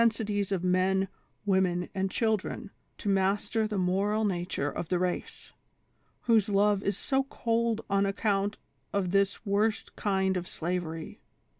225 sities of men, women and children to master the moral na ture of the race, whose love is so cold on accomit of this worst kind of slavery